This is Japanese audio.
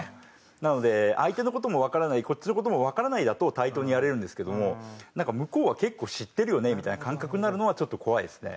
なので相手の事もわからないこっちの事もわからないだと対等にやれるんですけどもなんか向こうは結構知ってるよねみたいな感覚になるのはちょっと怖いですね。